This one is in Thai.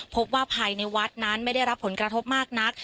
พบว่าภายในวัดนั้นไม่ได้รับผลกระทบมากนัก